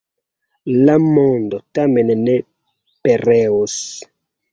La mondo tamen ne pereos.